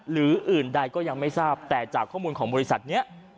หรืออื่นใดก็ยังไม่ทราบแต่จากข้อมูลของบริษัทนี้